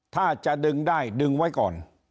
ถ้าจะดึงได้ดึงไว้ก่อน